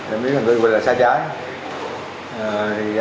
em biết là người vừa là xa trái